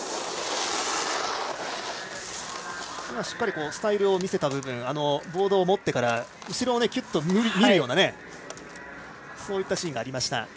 しっかりスタイルを見せた部分ボードを持ってから後ろをキュッと見るようなそういったシーンがありました。